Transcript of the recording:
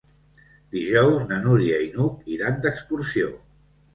Dijous na Núria i n'Hug iran d'excursió.